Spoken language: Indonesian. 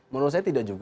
menurut saya tidak juga